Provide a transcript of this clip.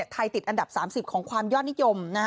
ติดอันดับ๓๐ของความยอดนิยม